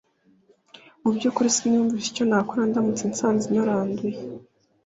Mu by’ukuri siniyumwishaga icyo nakora ndamutse nsanze naranduye